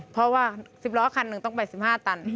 เพราะว่า๑๐ล้อคันหนึ่งต้องไป๑๕ตัน